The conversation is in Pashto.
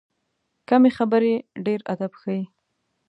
کمې خبرې، ډېر ادب ښیي.